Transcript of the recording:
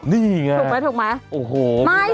นี่ไงถูกไหมโอ้โหไม่ได้นะ